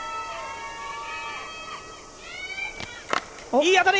いい当たり！